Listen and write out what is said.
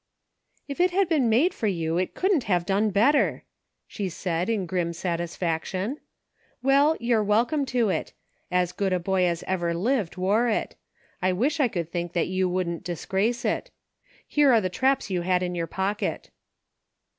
" If it had been made for you, it couldn't have done better," she said, in grim satisfaction. " Well, you're welcome to it ; as good a boy as ever lived wore it ; I wish I could think that you wouldn't disgrace it. Here are the traps you had in your pocket."